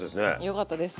よかったです。